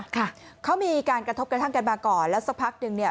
ค่ะเขามีการกระทบกระทั่งกันมาก่อนแล้วสักพักหนึ่งเนี่ย